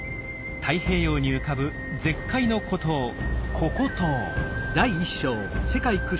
太平洋に浮かぶ絶海の孤島ココ島。